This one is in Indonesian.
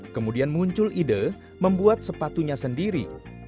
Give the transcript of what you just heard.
kemudian muncul ide membuat sepatunya sendiri